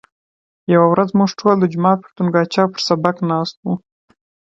یوه ورځ موږ ټول د جومات پر تنګاچه پر سبق ناست وو.